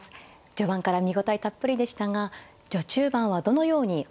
序盤から見応えたっぷりでしたが序中盤はどのように思ってらっしゃいましたか。